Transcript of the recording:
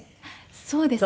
そうですね。